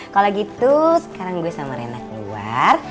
kalau gitu sekarang gue sama rena keluar